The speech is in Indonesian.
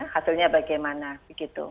hasilnya bagaimana begitu